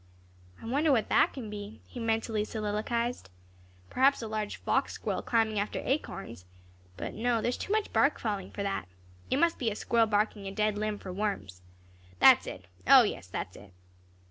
"I wonder what that can be?" he mentally soliloquized. "Perhaps a large fox squirrel climbing after acorns but no, there is too much bark falling for that. It must be a squirrel barking a dead limb for worms. That's it! O, yes, that's it."